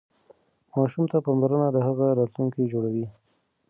ماشوم ته پاملرنه د هغه راتلونکی جوړوي.